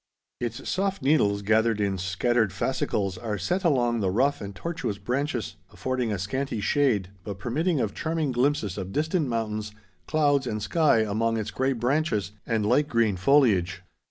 Its soft needles, gathered in scattered fascicles, are set along the rough and tortuous branches, affording a scanty shade but permitting of charming glimpses of distant mountains, clouds, and sky among its gray branches and light green foliage.